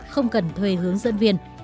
không cần thuê hướng dẫn viên